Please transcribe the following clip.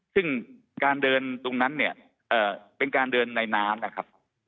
ซึ่งการเดินตรงนั้นเนี่ยเป็นการเดินในน้ำนะครับ